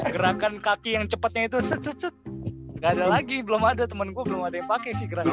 gerakan kaki yang cepetnya itu set set set gak ada lagi belum ada temen gua belum ada yang pake sih gerakan itu